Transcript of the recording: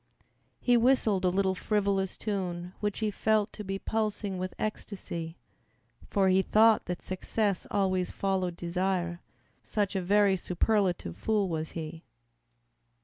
He whistled a little frivolous tune Which he felt to be pulsing with ecstasy, For he thought that success always followed desire, Such a very superlative fool was he.